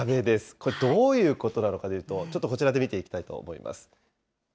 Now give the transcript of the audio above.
これどういうことなのかというと、ちょっとこちらで見ていきたいと思います。